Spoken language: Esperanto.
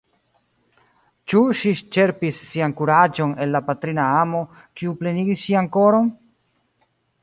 Ĉu ŝi ĉerpis sian kuraĝon el la patrina amo, kiu plenigis ŝian koron?